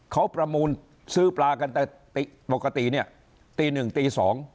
เขาประมูลซื้อปลากันแต่ปกติเนี่ยตีหนึ่งตี๒